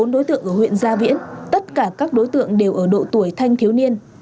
bốn đối tượng ở huyện gia viễn tất cả các đối tượng đều ở độ tuổi thanh thiếu niên